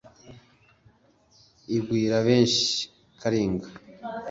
igwira benshi karinga,